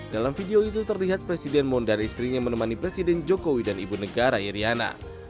dalam video itu terlihat presiden moon dan istrinya menemani presiden jokowi dan ibu negara iryana